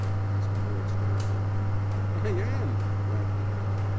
asked Lord Stonehenge. "I am," laughed the Canon.